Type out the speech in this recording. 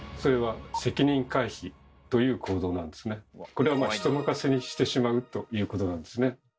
これは人任せにしてしまうということなんですね。